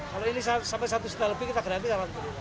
kalau ini sampai seratus an lebih kita gratis